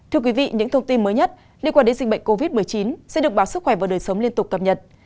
thưa quý vị những thông tin mới nhất liên quan đến dịch bệnh covid một mươi chín sẽ được báo sức khỏe và đời sống liên tục cập nhật